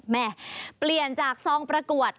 เปลี่ยนจากซองประกวด